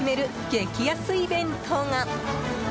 激安イベントが！